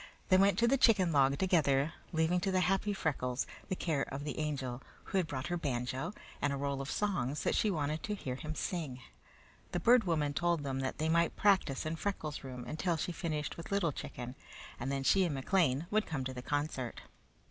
They went to the chicken log together, leaving to the happy Freckles the care of the Angel, who had brought her banjo and a roll of songs that she wanted to hear him sing. The Bird Woman told them that they might practice in Freckles' room until she finished with Little Chicken, and then she and McLean would come to the concert.